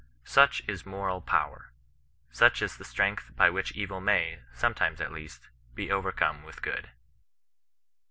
Such is moral power. Such is the strength by which evil may, sometimes at least, be overcome with . good.